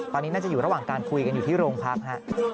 ตอนนี้น่าจะอยู่ระหว่างการคุยกันอยู่ที่โรงพักฮะ